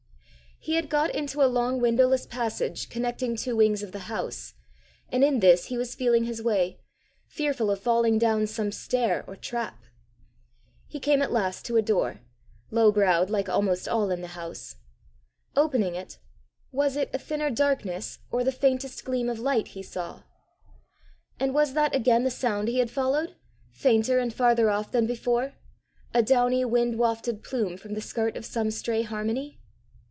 He had got into a long windowless passage connecting two wings of the house, and in this he was feeling his way, fearful of falling down some stair or trap. He came at last to a door low browed like almost all in the house. Opening it was it a thinner darkness or the faintest gleam of light he saw? And was that again the sound he had followed, fainter and farther off than before a downy wind wafted plume from the skirt of some stray harmony?